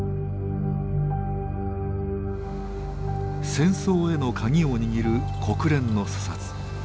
戦争への鍵を握る国連の査察。